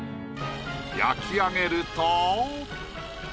焼き上げると。